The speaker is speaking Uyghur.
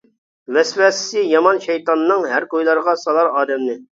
ۋەسۋەسىسى يامان شەيتاننىڭ، ھەر كويلارغا سالار ئادەمنى.